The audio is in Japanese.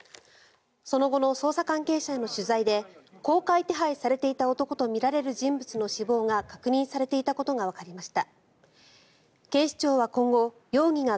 その後の捜査関係者への取材で公開手配されていた男とみられる人物の死亡が確認されていたことがわかりました。